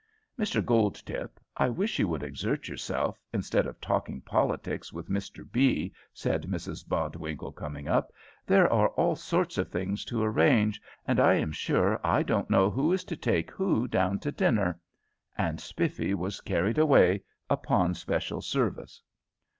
"Mr Goldtip, I wish you would exert yourself, instead of talking politics with Mr B.," said Mrs Bodwinkle, coming up; "there are all sorts of things to arrange, and I am sure I don't know who is to take who down to supper;" and Spiffy was carried away upon special service.